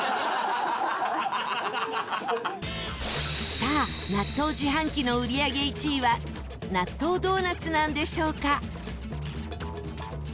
さあ、納豆自販機の売り上げ１位はなっとうドーナツなんでしょうか？